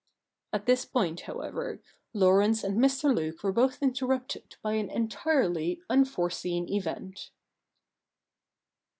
^ At this point, however, Laurence and .Mr. Luke were both interrupted by an entirely unforeseen event.